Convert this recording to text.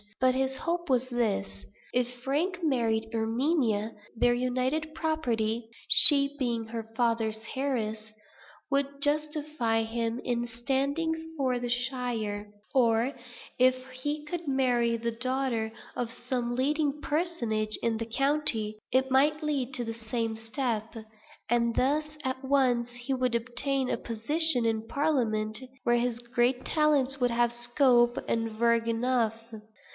But his hope was this. If Frank married Erminia, their united property (she being her father's heiress) would justify him in standing for the shire; or if he could marry the daughter of some leading personage in the county, it might lead to the same step; and thus at once he would obtain a position in parliament, where his great talents would have scope and verge enough.